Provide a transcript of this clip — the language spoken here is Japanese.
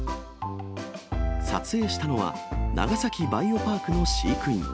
撮影したのは、長崎バイオパークの飼育員。